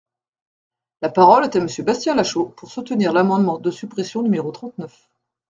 La parole est à Monsieur Bastien Lachaud, pour soutenir l’amendement de suppression numéro trente-neuf.